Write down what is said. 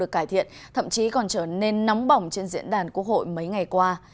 cải thiện thậm chí còn trở nên nóng bỏng trên diễn đàn quốc hội mấy ngày qua